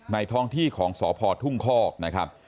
ท้องที่ของสพทุ่งคอกนะครับ